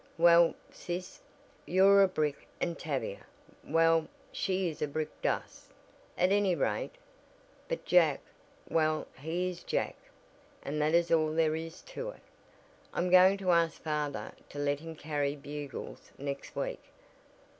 "Well, sis, you're a brick and Tavia, well, she is brick dust, at any rate, but Jack well he is Jack, and that is all there is to it. I'm going to ask father to let him carry Bugles next week.